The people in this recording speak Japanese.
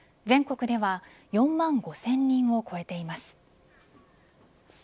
全国では４万５０００人を超えています。